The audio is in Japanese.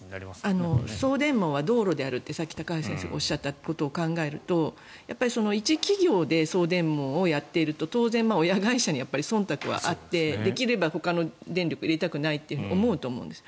送電網は道路であるという高橋さんのお話を考えると一企業で送電網をやっていると当然、親会社にそんたくはあってできればほかの電力を入れたくないと思うと思うんです。